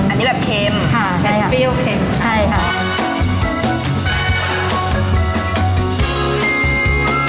อันนี้แบบเข็ม